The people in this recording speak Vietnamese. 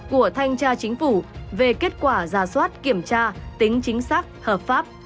của thanh tra chính phủ về kết quả giả soát kiểm tra tính chính xác hợp pháp